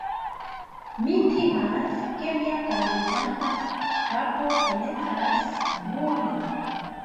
Mi timas, ke mia kalviĝanta kapo komencas bruli